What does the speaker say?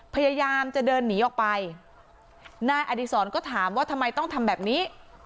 พยายามจะเดินหนีออกไปนายอดีศรก็ถามว่าทำไมต้องทำแบบนี้